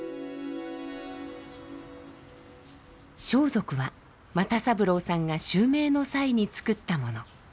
装束は又三郎さんが襲名の際に作ったもの。